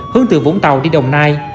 hướng từ vũng tàu đi đồng nai